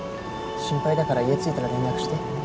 心配だから家着いたら連絡して。